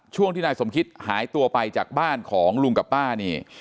ช่วงที่นายสมคิตหายตัวไปจากบ้านของลุงกับป้านี่